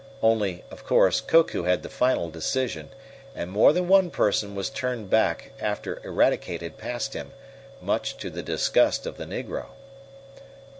Only, of course, Koku had the final decision, and more than one person was turned back after Eradicate had passed him, much to the disgust of the negro.